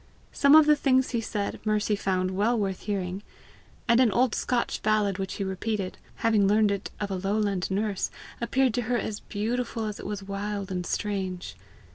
Some of the things he said, Mercy found well worth hearing; and an old Scotch ballad which he repeated, having learned it of a lowland nurse, appeared to her as beautiful as it was wild and strange.